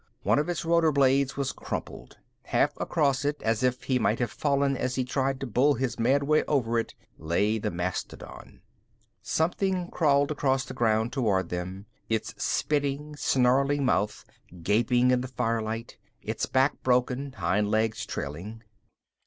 One of its rotor blades was crumpled. Half across it, as if he might have fallen as he tried to bull his mad way over it, lay the mastodon. Something crawled across the ground toward them, its spitting, snarling mouth gaping in the firelight, its back broken, hind legs trailing.